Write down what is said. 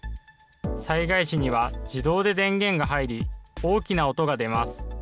災害時には自動で電源が入り、大きな音が出ます。